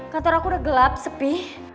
kantor aku udah gelap sepi